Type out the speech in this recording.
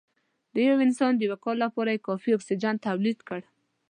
د یو انسان د یو کال لپاره کافي اکسیجن تولید کړ